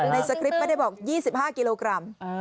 สคริปต์ไม่ได้บอก๒๕กิโลกรัม